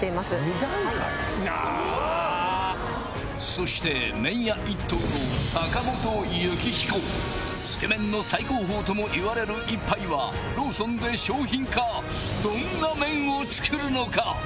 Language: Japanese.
そしてつけ麺の最高峰ともいわれる一杯はローソンで商品化どんな麺を作るのか？